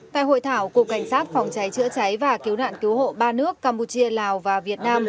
tại hội thảo cục cảnh sát phòng cháy chữa cháy và cứu nạn cứu hộ ba nước campuchia lào và việt nam